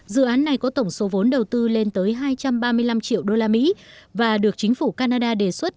dự án này có tổng số vốn đầu tư lên tới hai trăm ba mươi năm triệu usd và được chính phủ canada đề xuất